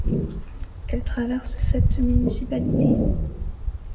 Elle traverse sept municipalités.